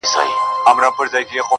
ه ته خپه د ستړي ژوند له شانه نه يې؟